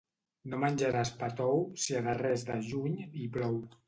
No menjaràs pa tou si a darrers de juny hi plou.